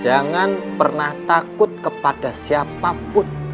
jangan pernah takut kepada siapa pun